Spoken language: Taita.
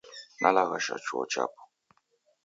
Nalaghasha chuo chapo.